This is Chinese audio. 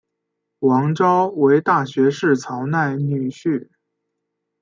王诏为大学士曹鼐女婿。